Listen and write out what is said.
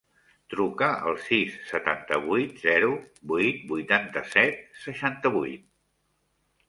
Truca al sis, setanta-vuit, zero, vuit, vuitanta-set, seixanta-vuit.